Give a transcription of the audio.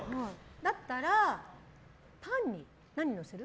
だったらパンに何のせる？